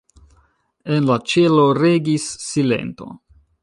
En la ĉelo regis silento.